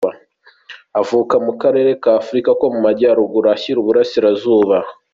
Avuka mu karere ka Afar ko mu majyaruguru ashyira uburasirazuba.